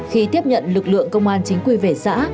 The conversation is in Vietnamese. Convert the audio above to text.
khi tiếp nhận lực lượng công an chính quy về xã